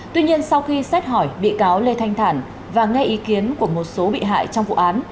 tuy nhiên sau khi xét hỏi bị cáo lê thanh thản và nghe ý kiến của một số bị hại trong vụ án